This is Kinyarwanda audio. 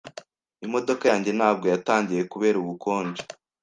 Imodoka yanjye ntabwo yatangiye kubera ubukonje.